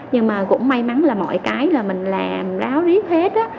nhưng mà cũng may mắn là mọi cái là mình làm ráo riết hết